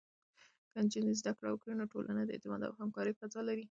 که نجونې زده کړه وکړي، نو ټولنه د اعتماد او همکارۍ فضا لري.